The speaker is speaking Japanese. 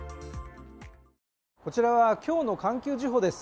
こちらは今日の「環球時報」です。